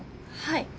はい。